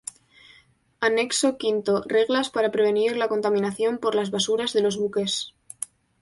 Anexo V.- Reglas para prevenir la contaminación por las Basuras de los Buques.